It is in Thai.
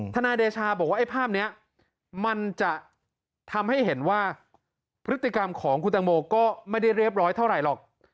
นายเดชาบอกว่าไอ้ภาพนี้มันจะทำให้เห็นว่าพฤติกรรมของคุณตังโมก็ไม่ได้เรียบร้อยเท่าไหร่หรอก